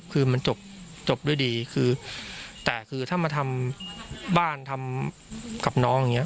คือมันจบจบด้วยดีคือแต่คือถ้ามาทำบ้านทำกับน้องอย่างเงี้